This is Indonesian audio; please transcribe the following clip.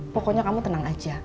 pokoknya kamu tenang aja